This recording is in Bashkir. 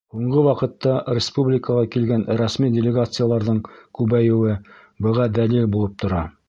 Һуңғы ваҡытта республикаға килгән рәсми делегацияларҙың күбәйеүе быға дәлил булып тора.